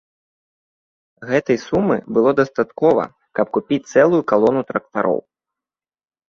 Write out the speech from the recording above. Гэтай сумы было дастаткова, каб купіць цэлую калону трактароў.